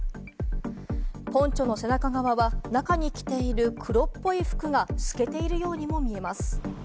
ポンチョの背中側は、中に着ている黒っぽい服が透けているようにも見えます。